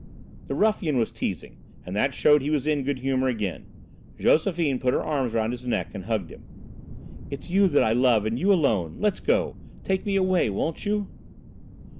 The ruffian was teasing, and that showed he was in good humour again. Josephine put her arms round his neck and hugged him. "It's you that I love and you alone let's go, take me away, won't you?"